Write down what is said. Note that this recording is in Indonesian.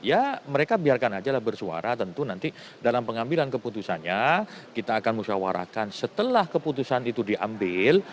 ya mereka biarkan aja lah bersuara tentu nanti dalam pengambilan keputusannya kita akan musyawarakan setelah keputusan itu diambil